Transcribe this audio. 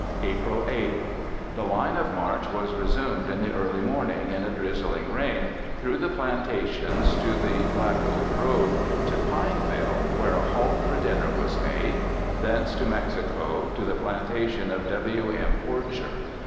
April 8. The line of march was resumed in the early morning, in a drizzling rain, through the plantations to the Black Oak Road, to Pineville, where a halt for dinner was made; thence to Mexico, to the plantation of W. M. Porcher.